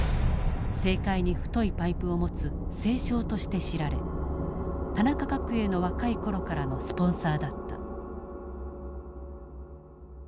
政界に太いパイプを持つ政商として知られ田中角栄の若い頃からのスポンサーだった。